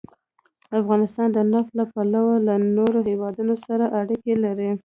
افغانستان د نفت له پلوه له نورو هېوادونو سره اړیکې لري.